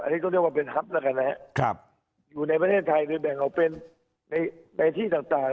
อันนี้ก็เรียกว่าเป็นฮับแล้วกันนะครับอยู่ในประเทศไทยโดยแบ่งออกเป็นในที่ต่าง